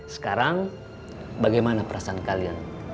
sekarang bagaimana perasaan kalian